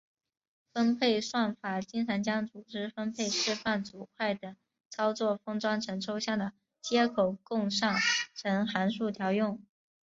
分配算法经常将组织分配释放组块等操作封装成抽象的接口供上层函数调用。